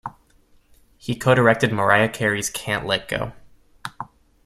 He co-directed Mariah Carey's Can't Let Go.